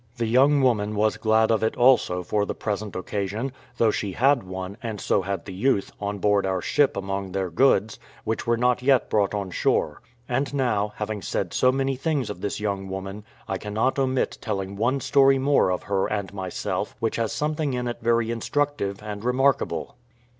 The young woman was glad of it also for the present occasion, though she had one, and so had the youth, on board our ship among their goods, which were not yet brought on shore. And now, having said so many things of this young woman, I cannot omit telling one story more of her and myself, which has something in it very instructive and remarkable.